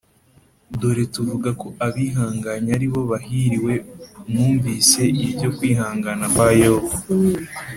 Dore tuvuga ko abihanganye ari bo bahiriwe Mwumvise ibyo kwihangana kwa Yobu